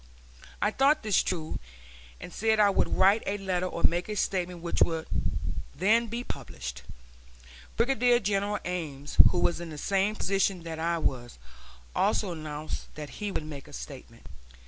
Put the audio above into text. I thought this true, and said I would write a letter or make a statement which could then be published. Brigadier General Ames, who was in the same position that I was, also announced that he would make a statement.